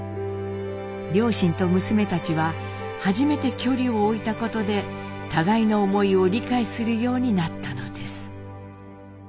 両親と娘たちは初めて距離を置いたことで互いの思いを理解するようになったのです。